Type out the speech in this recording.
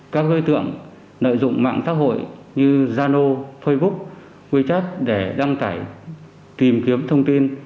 các hơi tượng nợ dụng mạng tác hội như zano facebook wechat để đăng tải tìm kiếm thông tin